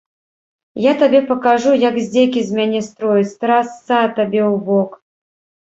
Я табе пакажу, як здзекі з мяне строіць, трасца табе ў бок!